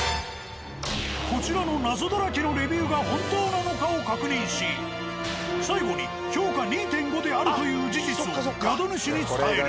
こちらの謎だらけのレビューが本当なのかを確認し最後に評価２．５であるという事実を宿主に伝える。